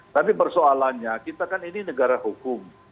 tapi persoalannya kita kan ini negara hukum